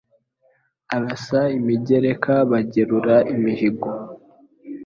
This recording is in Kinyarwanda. Arasa imigereka bagerura imihigo